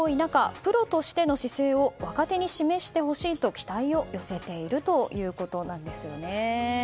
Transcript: プロとしての姿勢を若手に示してほしいと期待を寄せているということです。